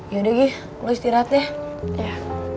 ya udah gi lo istirahat ya